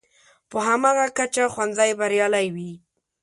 په هماغه کچه ښوونځی بریالی وي.